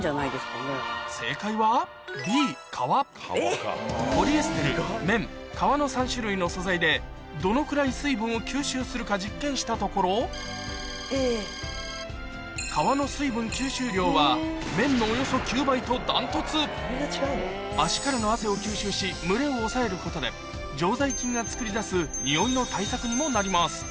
正解はポリエステル綿革の３種類の素材でどのくらい水分を吸収するか実験したところ革の水分吸収量は綿のおよそ９倍と断トツ足からの常在菌が作り出すにおいの対策にもなります